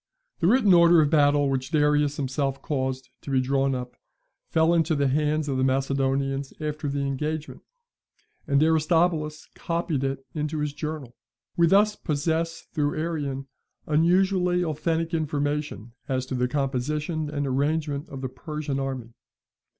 The written order of battle which Darius himself caused to be drawn up, fell into the hands of the Macedonians after the engagement, and Aristobulus copied it into his journal. We thus possess, through Arrian, unusually authentic information as to the composition and arrangement of the Persian army.